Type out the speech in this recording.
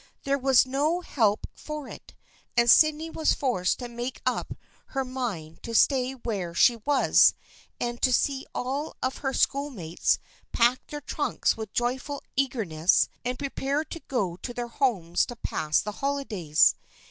There was no help for it, and Sydney was forced to make up her mind to stay where she was and to see all of her schoolmates pack their trunks with joyful eager ness and prepare to go to their homes to pass the holidays.